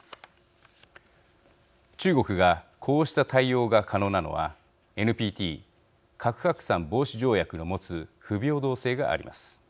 中国がこうした対応が可能なのはＮＰＴ核拡散防止条約の持つ不平等性があります。